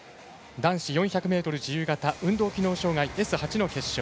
男子４００ｍ自由形運動機能障がいＳ８の決勝。